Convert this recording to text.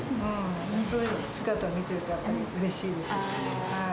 そういう姿を見てると、やっぱりうれしいです。